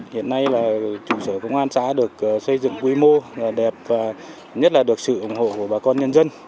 hiện nay là trụ sở công an xã được xây dựng quy mô đẹp và nhất là được sự ủng hộ của bà con nhân dân